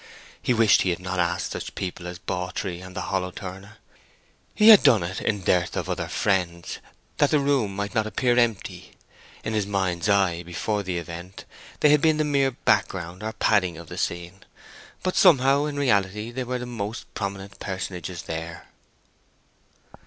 He wished he had not asked such people as Bawtree and the hollow turner. He had done it, in dearth of other friends, that the room might not appear empty. In his mind's eye, before the event, they had been the mere background or padding of the scene, but somehow in reality they were the most prominent personages there.